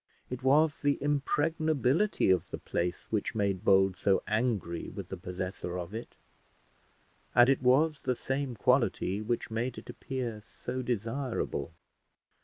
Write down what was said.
It was the impregnability of the place which made Bold so angry with the possessor of it, and it was the same quality which made it appear so desirable.